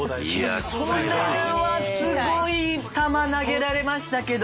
これはすごい球投げられましたけど。